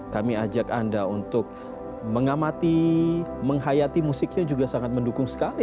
kami ajak anda untuk mengamati menghayati musiknya juga sangat mendukung sekali